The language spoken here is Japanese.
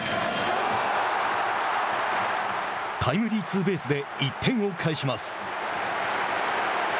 タイムリーツーベースで１点を返します。